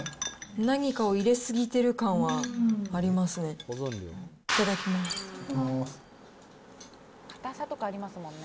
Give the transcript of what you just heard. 何かを入れ過ぎてる感はありますね。